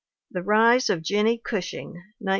The Rise of Jennie Gushing, 1914.